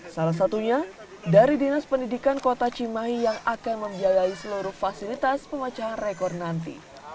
salah satunya dari dinas pendidikan kota cimahi yang akan membiayai seluruh fasilitas pemecahan rekor nanti